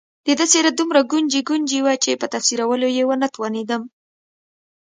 د ده څېره دومره ګونجي ګونجي وه چې په تفسیرولو یې ونه توانېدم.